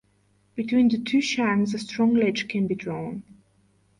Between the two shanks a strong ledge can be drawn.